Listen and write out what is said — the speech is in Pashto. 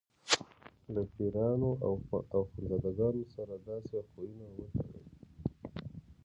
له پیرانو او اخندزاده ګانو سره داسې خویونه وتړي.